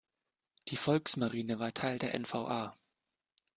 Die Volksmarine war Teil der N-V-A.